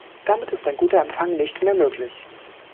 Damit ist ein guter Empfang nicht mehr möglich.